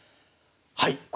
はい！